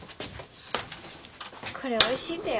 これおいしいんだよ。